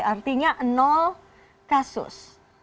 artinya kasus